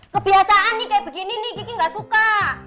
kebiasaan nih kayak begini nih kiki gak suka